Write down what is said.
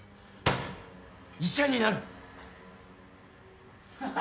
医者になる。